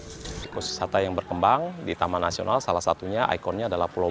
sedangkan ekosistem tersebut juga berhasil menyebabkan penyelamatan ekosistem tersebut